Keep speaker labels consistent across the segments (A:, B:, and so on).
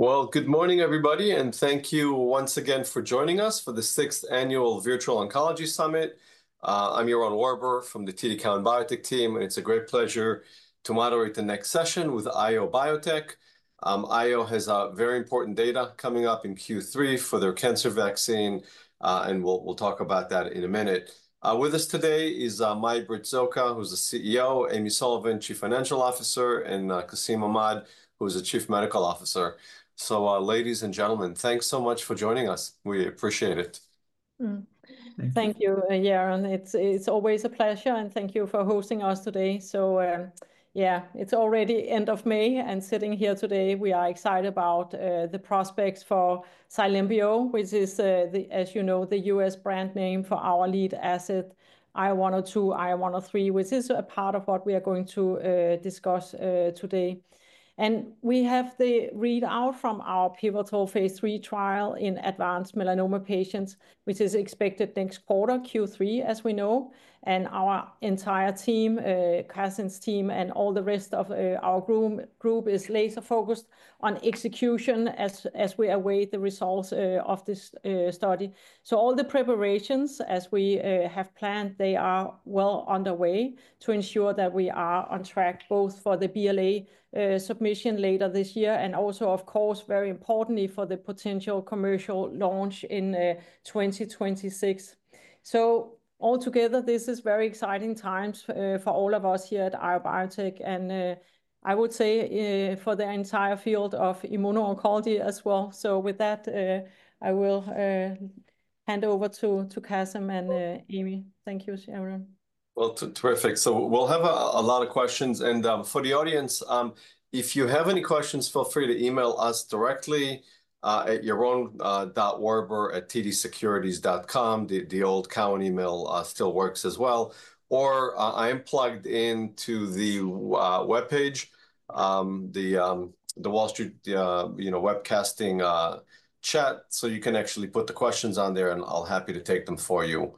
A: Good morning, everybody, and thank you once again for joining us for the 6th Annual Virtual Oncology Summit. I'm Yaron Werber from the TD Cowen Biotech Team, and it's a great pleasure to moderate the next session with IO Biotech. IO has very important data coming up in Q3 for their cancer vaccine, and we'll talk about that in a minute. With us today is Mai-Britt Zocca, who's the CEO, Amy Sullivan, Chief Financial Officer, and Qasim Ahmad, who's the Chief Medical Officer. Ladies and gentlemen, thanks so much for joining us. We appreciate it.
B: Thank you, Yaron. It's always a pleasure, and thank you for hosting us today. Yeah, it's already the end of May, and sitting here today, we are excited about the prospects for Cylembio, which is, as you know, the U.S. brand name for our lead asset, IO-102, IO-103, which is a part of what we are going to discuss today. We have the readout from our pivotal phase III trial in advanced melanoma patients, which is expected next quarter, Q3, as we know. Our entire team, Qasim's team, and all the rest of our group is laser-focused on execution as we await the results of this study. All the preparations, as we have planned, are well underway to ensure that we are on track both for the BLA submission later this year and also, of course, very importantly, for the potential commercial launch in 2026. Altogether, this is very exciting times for all of us here at IO Biotech, and I would say for the entire field of immuno-oncology as well. With that, I will hand over to Qasim and Amy. Thank you, everyone.
A: Terrific. We'll have a lot of questions. For the audience, if you have any questions, feel free to email us directly at yaron.werber@tdsecurities.com. The old Cowen email still works as well. I am plugged into the webpage, the Wall Street, you know, webcasting chat, so you can actually put the questions on there, and I'll be happy to take them for you.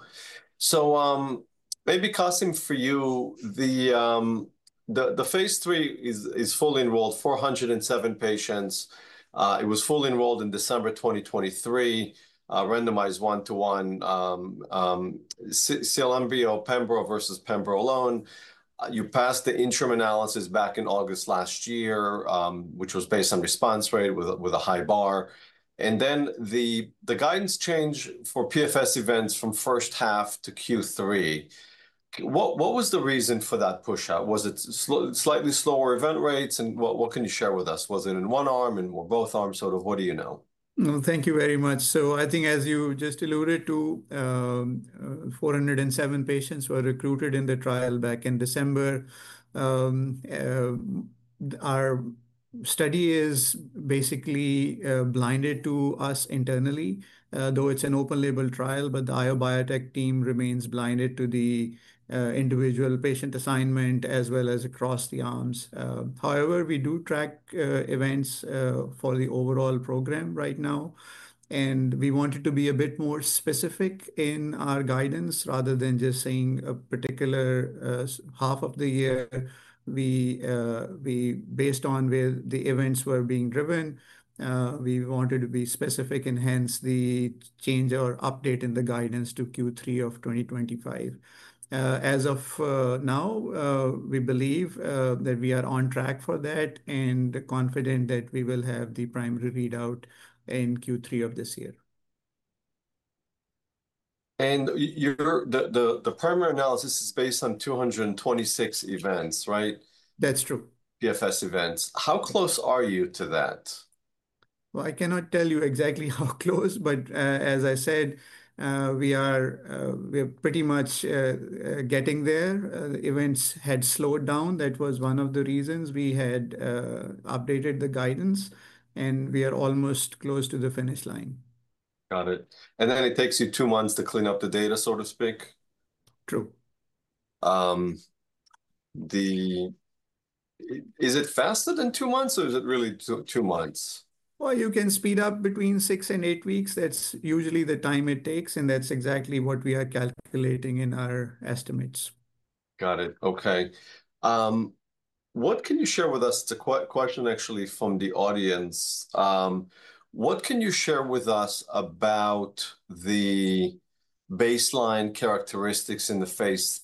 A: Maybe, Qasim, for you, the phase III is fully enrolled, 407 patients. It was fully enrolled in December 2023, randomized one-to-one, Cylembio, Pembro versus Pembro alone. You passed the interim analysis back in August last year, which was based on response rate with a high bar. The guidance change for PFS events from first half to Q3. What was the reason for that push-out? Was it slightly slower event rates, and what can you share with us? Was it in one arm and both arms? Sort of, what do you know?
C: Thank you very much. I think, as you just alluded to, 407 patients were recruited in the trial back in December. Our study is basically blinded to us internally, though it is an open-label trial, but the IO Biotech team remains blinded to the individual patient assignment as well as across the arms. However, we do track events for the overall program right now, and we wanted to be a bit more specific in our guidance rather than just saying a particular half of the year. Based on where the events were being driven, we wanted to be specific, and hence the change or update in the guidance to Q3 of 2025. As of now, we believe that we are on track for that and confident that we will have the primary readout in Q3 of this year.
A: The primary analysis is based on 226 events, right?
C: That's true.
A: PFS events. How close are you to that?
C: I cannot tell you exactly how close, but as I said, we are pretty much getting there. Events had slowed down. That was one of the reasons we had updated the guidance, and we are almost close to the finish line.
A: Got it. It takes you two months to clean up the data, so to speak?
C: True.
A: Is it faster than two months, or is it really two months?
C: You can speed up between six and eight weeks. That's usually the time it takes, and that's exactly what we are calculating in our estimates.
A: Got it. Okay. What can you share with us? It's a question, actually, from the audience. What can you share with us about the baseline characteristics in the phase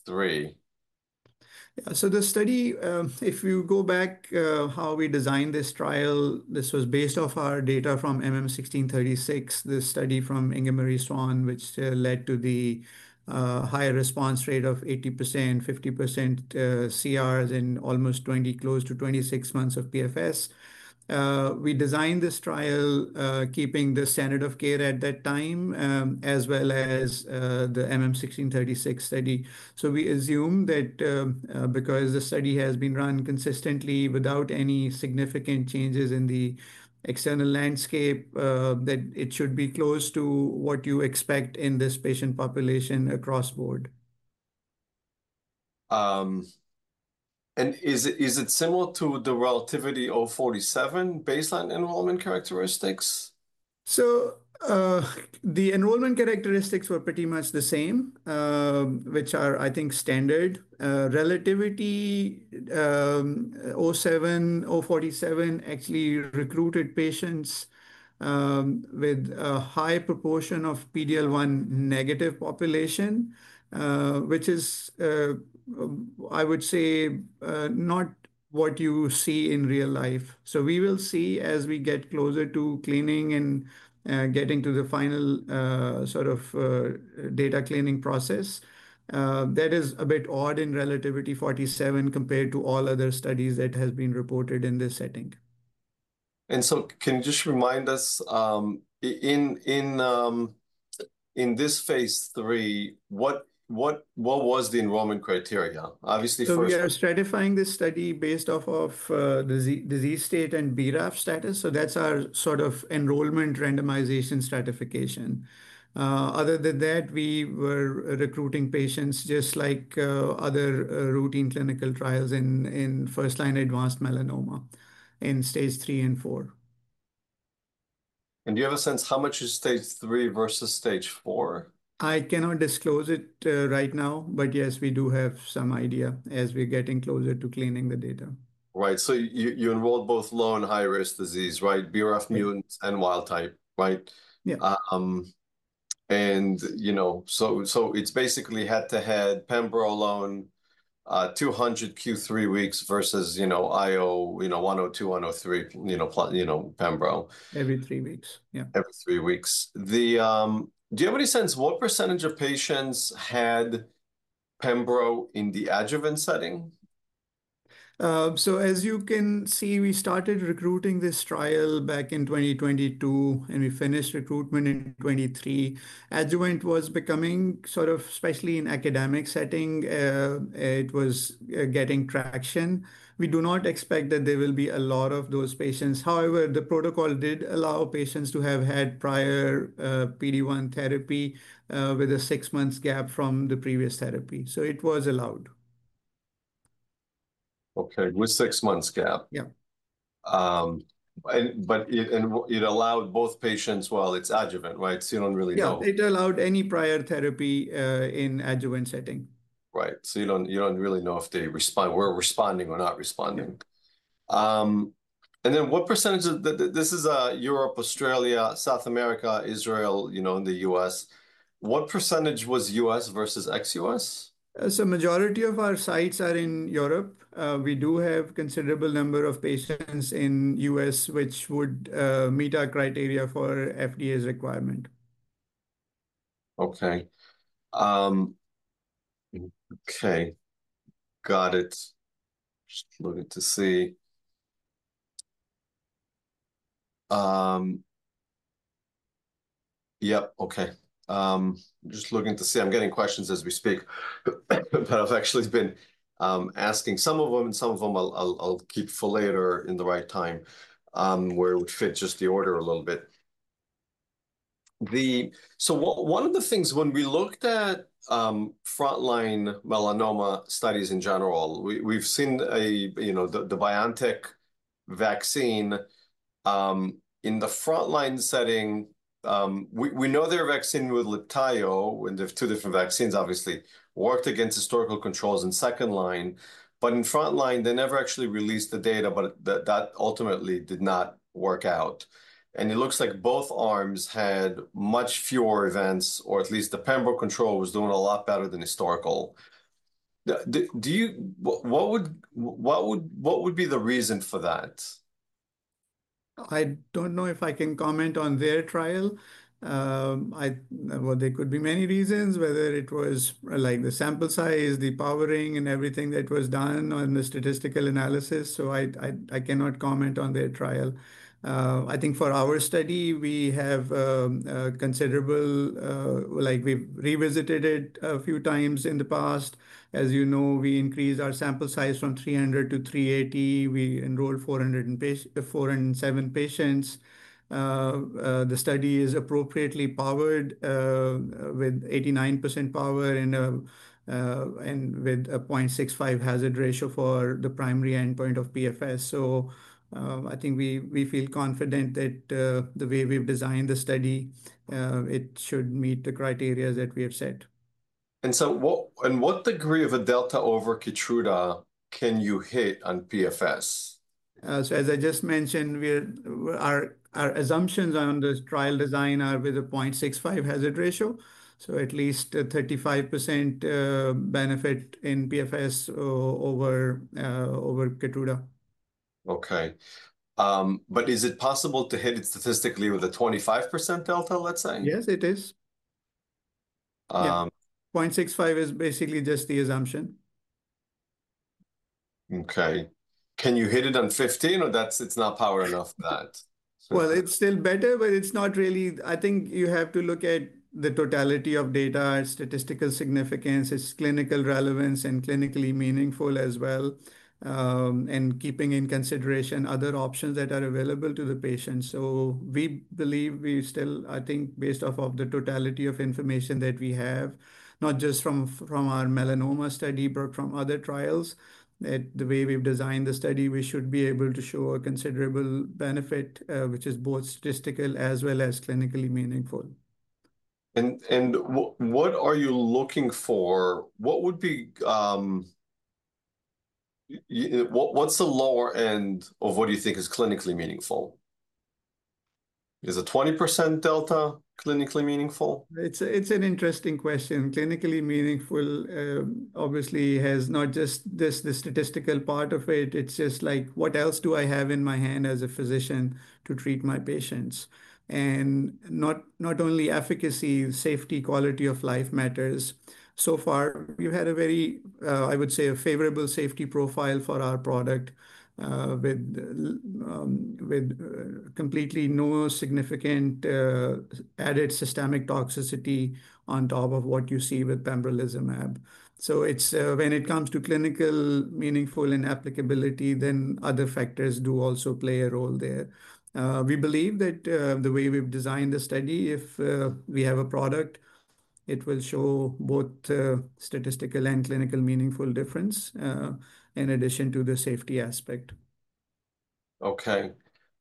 A: III?
C: Yeah. So, the study, if you go back, how we designed this trial, this was based off our data from MM1636, the study from Ingemar Swann, which led to the higher response rate of 80%, 50% CRs in almost 20, close to 26 months of PFS. We designed this trial keeping the standard of care at that time, as well as the MM1636 study. We assume that because the study has been run consistently without any significant changes in the external landscape, that it should be close to what you expect in this patient population across board.
A: Is it similar to the RELATIVITY-047 baseline enrollment characteristics?
C: The enrollment characteristics were pretty much the same, which are, I think, standard. RELATIVITY-047 actually recruited patients with a high proportion of PD-L1 negative population, which is, I would say, not what you see in real life. We will see as we get closer to cleaning and getting to the final sort of data cleaning process. That is a bit odd in RELATIVITY-047 compared to all other studies that have been reported in this setting.
A: Can you just remind us, in this phase III, what was the enrollment criteria? Obviously, first.
C: We are stratifying this study based off of disease state and BRAF status. That is our sort of enrollment randomization stratification. Other than that, we were recruiting patients just like other routine clinical trials in first-line advanced melanoma in stage three and four.
A: Do you have a sense how much is stage three versus stage four?
C: I cannot disclose it right now, but yes, we do have some idea as we're getting closer to cleaning the data.
A: Right. So, you enrolled both low and high-risk disease, right? BRAF mutants and wild type, right?
C: Yeah.
A: You know, so it's basically head-to-head, Pembro alone, 200 Q3 weeks versus, you know, IO, you know, 102, 103, you know, Pembro.
C: Every three weeks, yeah.
A: Every three weeks. Do you have any sense what percentage of patients had Pembro in the adjuvant setting?
C: As you can see, we started recruiting this trial back in 2022, and we finished recruitment in 2023. Adjuvant was becoming sort of, especially in academic setting, it was getting traction. We do not expect that there will be a lot of those patients. However, the protocol did allow patients to have had prior PD-1 therapy with a six-month gap from the previous therapy. It was allowed.
A: Okay. With six-month gap.
C: Yeah.
A: It allowed both patients, well, it's adjuvant, right? So, you don't really know.
C: Yeah. It allowed any prior therapy in adjuvant setting.
A: Right. So, you don't really know if they were responding or not responding. And then what percentage of this is Europe, Australia, South America, Israel, you know, in the U.S.? What percentage was U.S. versus ex-U.S.?
C: The majority of our sites are in Europe. We do have a considerable number of patients in the U.S., which would meet our criteria for FDA's requirement.
A: Okay. Okay. Got it. Just looking to see. Yep. Okay. Just looking to see. I'm getting questions as we speak, but I've actually been asking some of them, and some of them I'll keep for later in the right time where it would fit just the order a little bit. One of the things when we looked at frontline melanoma studies in general, we've seen the BioNTech vaccine in the frontline setting. We know their vaccine with Libtayo and the two different vaccines, obviously, worked against historical controls in second line, but in frontline, they never actually released the data, but that ultimately did not work out. It looks like both arms had much fewer events, or at least the Pembro control was doing a lot better than historical. What would be the reason for that?
C: I don't know if I can comment on their trial. There could be many reasons, whether it was like the sample size, the powering, and everything that was done on the statistical analysis. I cannot comment on their trial. I think for our study, we have considerable, like, we've revisited it a few times in the past. As you know, we increased our sample size from 300 to 380. We enrolled 407 patients. The study is appropriately powered with 89% power and with a 0.65 hazard ratio for the primary endpoint of PFS. I think we feel confident that the way we've designed the study, it should meet the criteria that we have set.
A: What degree of a delta over KEYTRUDA can you hit on PFS?
C: As I just mentioned, our assumptions on this trial design are with a 0.65 hazard ratio, so at least a 35% benefit in PFS over KEYTRUDA.
A: Okay. Is it possible to hit it statistically with a 25% delta, let's say?
C: Yes, it is. 0.65 is basically just the assumption.
A: Okay. Can you hit it on 15, or it's not power enough for that?
C: It is still better, but it is not really. I think you have to look at the totality of data, statistical significance, its clinical relevance, and clinically meaningful as well, and keeping in consideration other options that are available to the patients. We believe we still, I think, based off of the totality of information that we have, not just from our melanoma study, but from other trials, that the way we have designed the study, we should be able to show a considerable benefit, which is both statistical as well as clinically meaningful.
A: What are you looking for? What would be, what's the lower end of what do you think is clinically meaningful? Is a 20% delta clinically meaningful?
C: It's an interesting question. Clinically meaningful, obviously, has not just the statistical part of it. It's just like, what else do I have in my hand as a physician to treat my patients? And not only efficacy, safety, quality of life matters. So far, we've had a very, I would say, a favorable safety profile for our product with completely no significant added systemic toxicity on top of what you see with KEYTRUDA. When it comes to clinical meaningful and applicability, then other factors do also play a role there. We believe that the way we've designed the study, if we have a product, it will show both statistical and clinically meaningful difference in addition to the safety aspect.
A: Okay.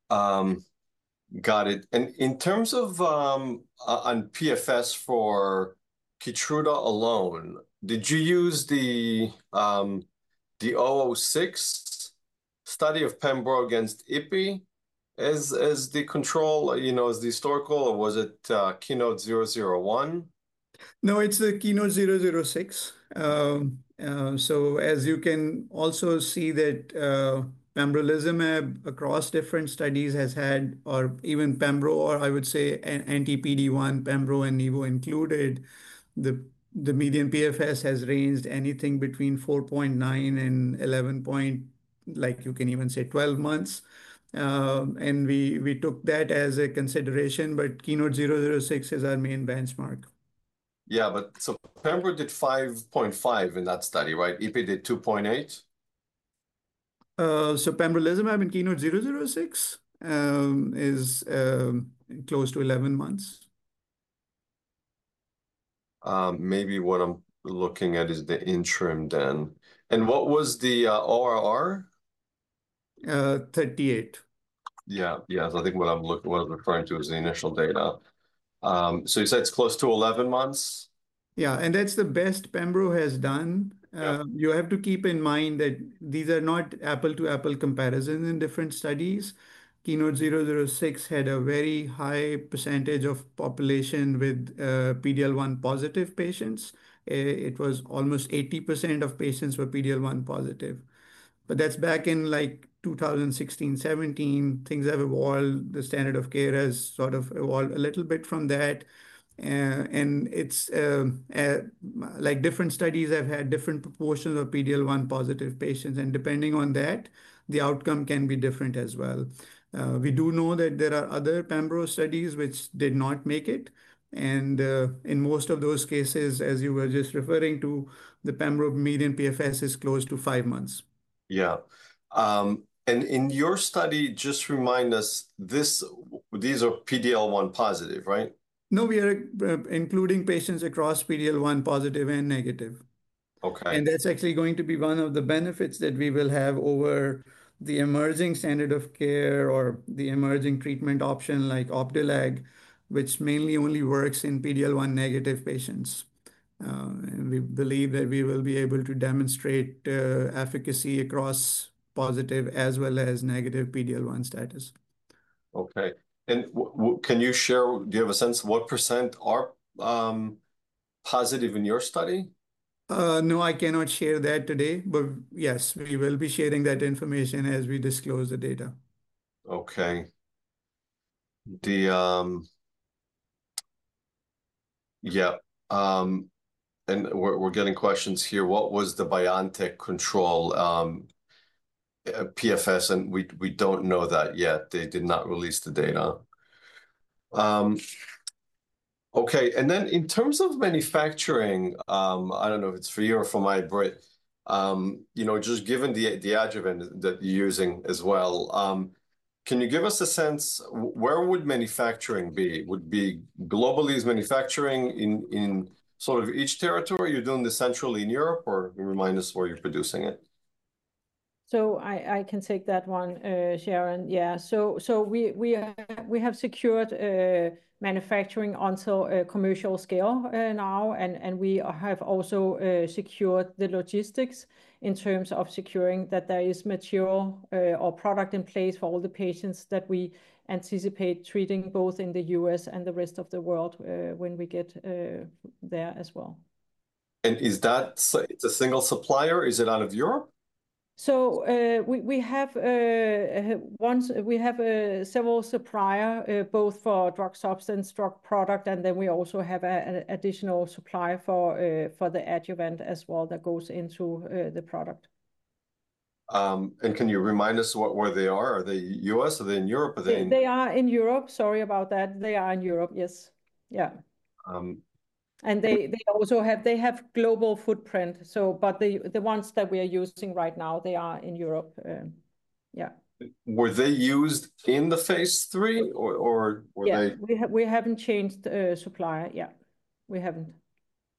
A: Got it. In terms of PFS for KEYTRUDA alone, did you use the 006 study of Pembro against Ipi as the control, you know, as the historical, or was it KEYNOTE-001?
C: No, it's a KEYNOTE-006. As you can also see, Pembrolizumab across different studies has had, or even Pembro, or I would say anti-PD-1, Pembro and nivo included, the median PFS has ranged anything between 4.9 and 11, like, you can even say 12 months. We took that as a consideration, but KEYNOTE-006 is our main benchmark.
A: Yeah, but so Pembro did 5.5 in that study, right? Ipi did 2.8?
C: So pembrolizumab in KEYNOTE-006 is close to 11 months.
A: Maybe what I'm looking at is the interim then. What was the ORR?
C: 38.
A: Yeah. Yeah. I think what I was referring to is the initial data. You said it's close to 11 months?
C: Yeah. And that's the best Pembro has done. You have to keep in mind that these are not apple-to-apple comparisons in different studies. KEYNOTE-006 had a very high percentage of population with PD-L1 positive patients. It was almost 80% of patients were PD-L1 positive. That was back in 2016, 2017. Things have evolved. The standard of care has sort of evolved a little bit from that. Different studies have had different proportions of PD-L1 positive patients. Depending on that, the outcome can be different as well. We do know that there are other Pembro studies which did not make it. In most of those cases, as you were just referring to, the Pembro median PFS is close to five months.
A: Yeah. In your study, just remind us, these are PD-L1 positive, right?
C: No, we are including patients across PD-L1 positive and negative.
A: Okay.
C: That is actually going to be one of the benefits that we will have over the emerging standard of care or the emerging treatment option like Opdualag, which mainly only works in PD-L1 negative patients. We believe that we will be able to demonstrate efficacy across positive as well as negative PD-L1 status.
A: Okay. Can you share, do you have a sense of what percent are positive in your study?
C: No, I cannot share that today, but yes, we will be sharing that information as we disclose the data.
A: Okay. Yeah. We're getting questions here. What was the BioNTech control PFS? We don't know that yet. They did not release the data. Okay. In terms of manufacturing, I don't know if it's for you or for Mai-Britt, you know, just given the adjuvant that you're using as well, can you give us a sense where would manufacturing be? Would it be globally as manufacturing in sort of each territory? You're doing this centrally in Europe, or remind us where you're producing it?
B: I can take that one, Yaron. Yeah. We have secured manufacturing onto a commercial scale now, and we have also secured the logistics in terms of securing that there is material or product in place for all the patients that we anticipate treating both in the U.S. and the rest of the world when we get there as well.
A: Is that a single supplier? Is it out of Europe?
B: We have several suppliers, both for drug substance, drug product, and then we also have an additional supplier for the adjuvant as well that goes into the product.
A: Can you remind us where they are? Are they U.S.? Are they in Europe?
B: They are in Europe. Sorry about that. They are in Europe, yes. Yeah. They also have global footprint. The ones that we are using right now, they are in Europe. Yeah.
A: Were they used in the phase III, or were they?
B: Yeah. We haven't changed supplier. We haven't.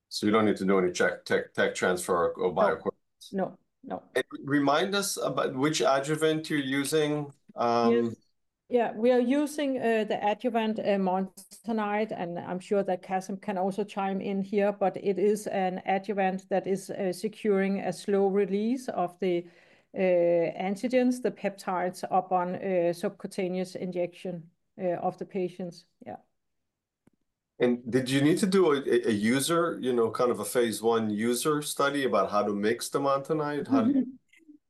A: So, you don't need to do any tech transfer or biochemical?
B: No, no.
A: Remind us about which adjuvant you're using.
B: Yeah. We are using the adjuvant Montanide, and I'm sure that Qasim can also chime in here, but it is an adjuvant that is securing a slow release of the antigens, the peptides up on subcutaneous injection of the patients. Yeah.
A: Did you need to do a user, you know, kind of a phase I user study about how to mix the Montanide?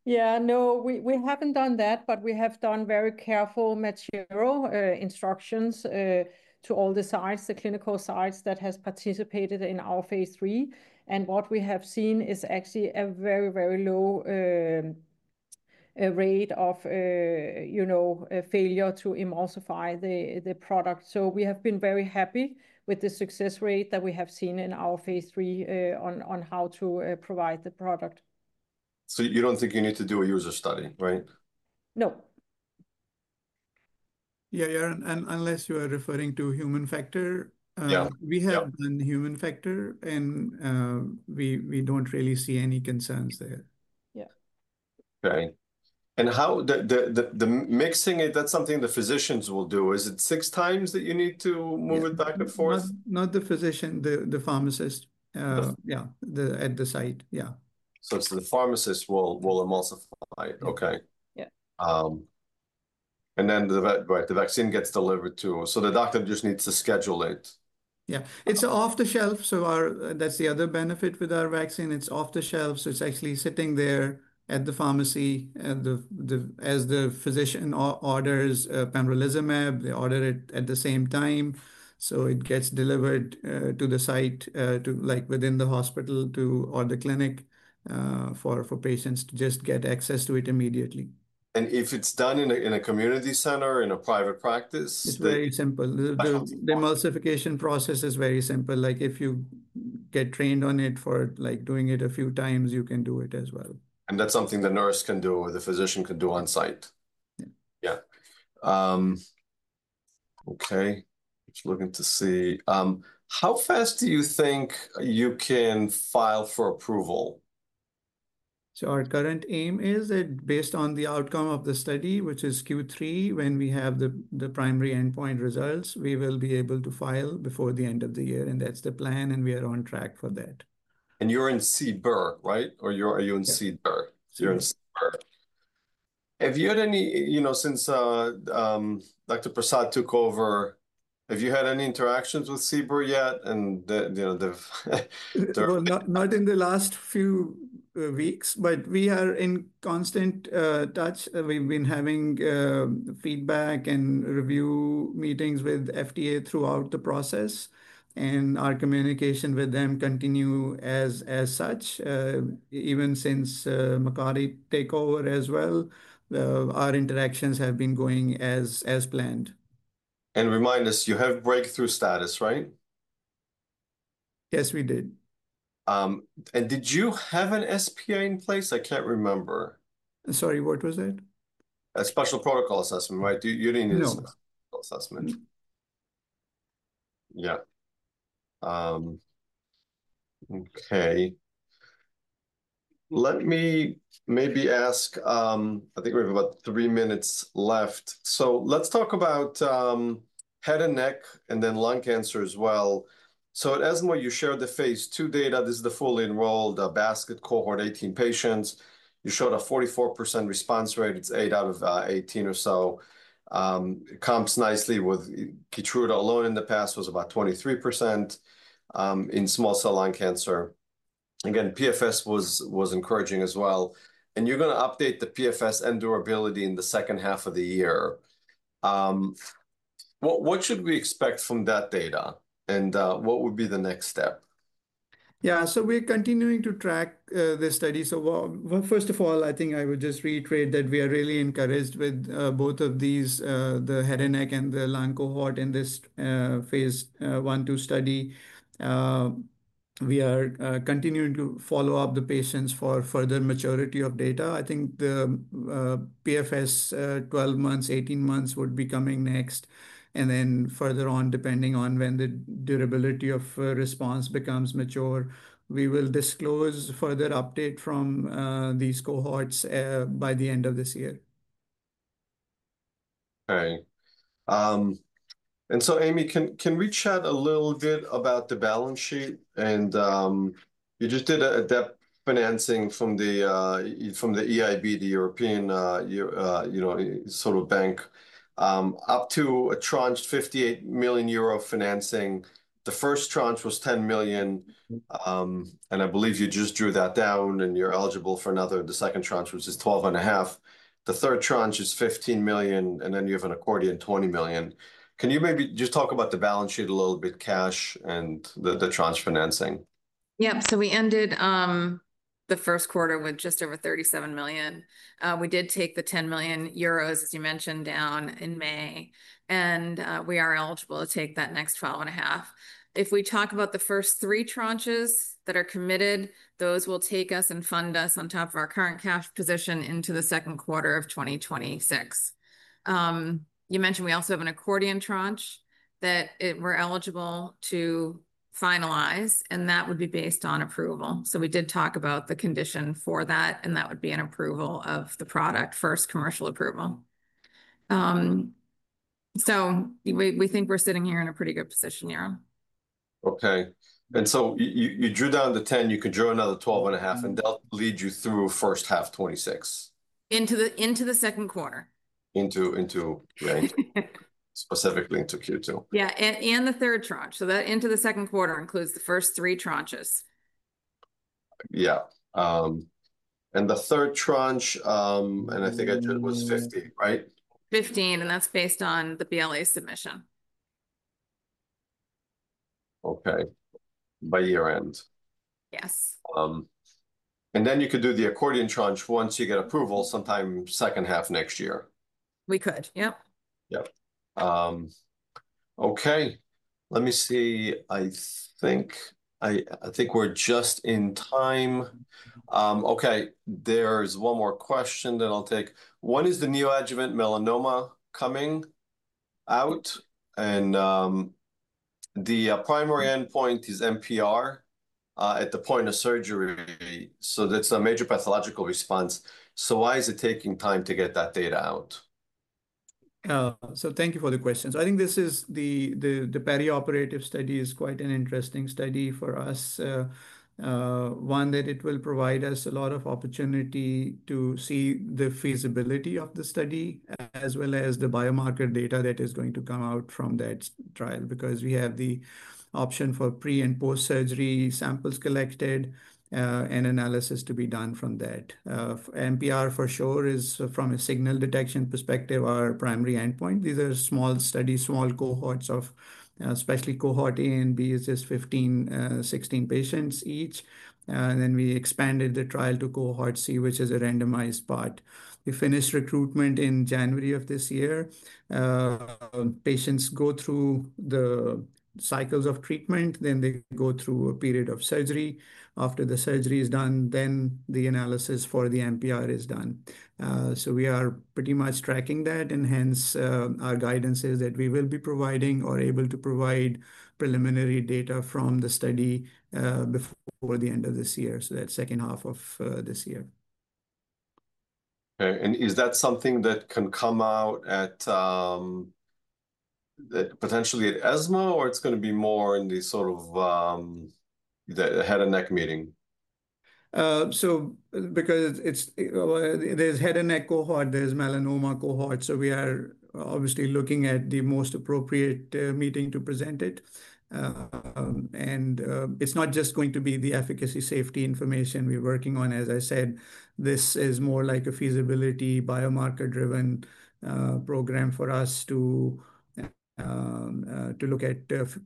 B: Yeah. No, we haven't done that, but we have done very careful material instructions to all the sites, the clinical sites that have participated in our phase III. And what we have seen is actually a very, very low rate of, you know, failure to emulsify the product. So, we have been very happy with the success rate that we have seen in our phase III on how to provide the product.
A: You don't think you need to do a user study, right?
B: No.
C: Yeah, yeah. Unless you are referring to human factor, we have done human factor, and we do not really see any concerns there.
B: Yeah.
A: Okay. And how the mixing, that's something the physicians will do. Is it six times that you need to move it back and forth?
C: Not the physician, the pharmacist. Yeah, at the site. Yeah.
A: The pharmacist will emulsify. Okay.
B: Yeah.
A: The vaccine gets delivered too. The doctor just needs to schedule it.
C: Yeah. It's off the shelf. That's the other benefit with our vaccine. It's off the shelf. It's actually sitting there at the pharmacy as the physician orders pembrolizumab. They order it at the same time. It gets delivered to the site, like within the hospital or the clinic for patients to just get access to it immediately.
A: If it's done in a community center, in a private practice?
C: It's very simple. The emulsification process is very simple. Like, if you get trained on it for, like, doing it a few times, you can do it as well.
A: That is something the nurse can do or the physician can do on-site.
C: Yeah.
A: Yeah. Okay. Just looking to see. How fast do you think you can file for approval?
C: Our current aim is that based on the outcome of the study, which is Q3, when we have the primary endpoint results, we will be able to file before the end of the year. That is the plan, and we are on track for that.
A: You're in CBER, right? Or are you in CBER? You're in CBER. Have you had any, you know, since Dr. Prasad took over, have you had any interactions with CBER yet? And the.
C: Not in the last few weeks, but we are in constant touch. We've been having feedback and review meetings with FDA throughout the process, and our communication with them continues as such. Even since Mai-Britt took over as well, our interactions have been going as planned.
A: Remind us, you have breakthrough status, right?
C: Yes, we did.
A: Did you have an SPA in place? I can't remember.
C: Sorry, what was that?
A: A special protocol assessment, right? You did not need a special protocol assessment.
C: No.
A: Yeah. Okay. Let me maybe ask, I think we have about three minutes left. Let's talk about head and neck and then lung cancer as well. At ESMO, you shared the phase II data. This is the fully enrolled basket cohort, 18 patients. You showed a 44% response rate. It's 8 out of 18 or so. It comes nicely with KEYTRUDA alone in the past was about 23% in small cell lung cancer. Again, PFS was encouraging as well. You're going to update the PFS and durability in the second half of the year. What should we expect from that data, and what would be the next step?
C: Yeah. We are continuing to track the study. First of all, I think I would just reiterate that we are really encouraged with both of these, the head and neck and the lung cohort in this phase I to study. We are continuing to follow up the patients for further maturity of data. I think the PFS 12 months, 18 months would be coming next. Further on, depending on when the durability of response becomes mature, we will disclose further updates from these cohorts by the end of this year.
A: Okay. And so, Amy, can we chat a little bit about the balance sheet? And you just did a debt financing from the European Investment Bank, the European, you know, sort of bank, up to a tranche of 58 million euro financing. The first tranche was 10 million. And I believe you just drew that down, and you're eligible for another. The second tranche was just 12.5 million. The third tranche is 15 million, and then you have an accordion of 20 million. Can you maybe just talk about the balance sheet a little bit, cash and the tranche financing?
D: Yeah. So, we ended the first quarter with just over 37 million. We did take the 10 million euros, as you mentioned, down in May, and we are eligible to take that next 12.5 million. If we talk about the first three tranches that are committed, those will take us and fund us on top of our current cash position into the second quarter of 2026. You mentioned we also have an accordion tranche that we're eligible to finalize, and that would be based on approval. We did talk about the condition for that, and that would be an approval of the product, first commercial approval. We think we're sitting here in a pretty good position, you know.
A: Okay. You drew down the 10, you could draw another 12.5 million, and they'll lead you through first half 2026.
D: Into the second quarter.
A: Into Q2, specifically into Q2.
D: Yeah. The third tranche, so that into the second quarter includes the first three tranches.
A: Yeah. The third tranche, and I think I drew, was 50 million, right?
D: 15 million, and that's based on the BLA submission.
A: Okay. By year-end.
D: Yes.
A: You could do the accordion tranche once you get approval, sometime second half next year.
D: We could. Yep.
A: Yep. Okay. Let me see. I think we're just in time. Okay. There's one more question that I'll take. When is the neoadjuvant melanoma coming out? The primary endpoint is MPR at the point of surgery. That's a major pathological response. Why is it taking time to get that data out?
C: Thank you for the question. I think this perioperative study is quite an interesting study for us, one that will provide us a lot of opportunity to see the feasibility of the study as well as the biomarker data that is going to come out from that trial because we have the option for pre and post-surgery samples collected and analysis to be done from that. MPR for sure is, from a signal detection perspective, our primary endpoint. These are small studies, small cohorts of especially cohort A and B, just 15, 16 patients each. We expanded the trial to cohort C, which is a randomized part. We finished recruitment in January of this year. Patients go through the cycles of treatment, then they go through a period of surgery. After the surgery is done, the analysis for the MPR is done. We are pretty much tracking that, and hence our guidance is that we will be providing or able to provide preliminary data from the study before the end of this year, so that second half of this year.
A: Okay. And is that something that can come out potentially at ESMO, or it's going to be more in the sort of the head and neck meeting?
C: Because there's head and neck cohort, there's melanoma cohort, we are obviously looking at the most appropriate meeting to present it. It's not just going to be the efficacy safety information we're working on. As I said, this is more like a feasibility biomarker-driven program for us to look at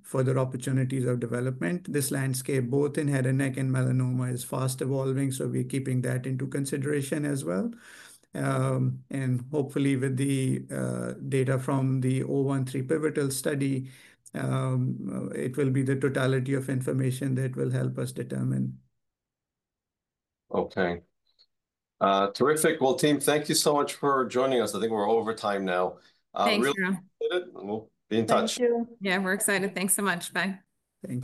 C: further opportunities of development. This landscape, both in head and neck and melanoma, is fast evolving, so we're keeping that into consideration as well. Hopefully, with the data from the 013 pivotal study, it will be the totality of information that will help us determine.
A: Okay. Terrific. Team, thank you so much for joining us. I think we're over time now.
B: Thanks, you know.
A: Be in touch.
B: Thank you.
D: Yeah, we're excited. Thanks so much. Bye.